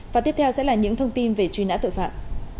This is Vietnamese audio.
và tiếp theo sẽ là những thông tin về truy nã tội phạm